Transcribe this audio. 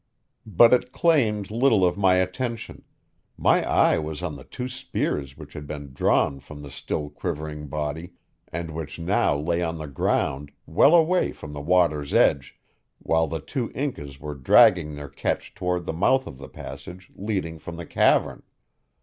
But it claimed little of my attention; my eye was on the two spears which had been drawn from the still quivering body and which now lay on the ground well away from the water's edge, while the two Incas were dragging their catch toward the mouth of the passage leading from the cavern.